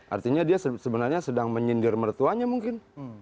artinya dia sebenarnya sedang menyindir mertuanya mungkin